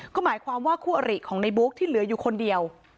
ก็หมายความว่าคู่อริของในบุ๊กที่เหลืออยู่คนเดียว